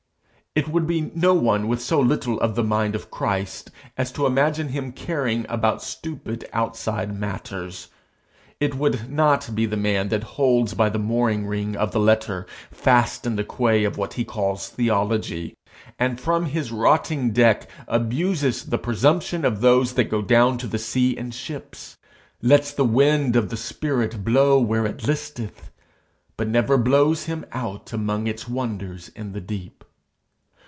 It would be no one with so little of the mind of Christ as to imagine him caring about stupid outside matters. It would not be the man that holds by the mooring ring of the letter, fast in the quay of what he calls theology, and from his rotting deck abuses the presumption of those that go down to the sea in ships lets the wind of the spirit blow where it listeth, but never blow him out among its wonders in the deep.